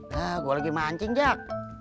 dah gue lagi mancing jak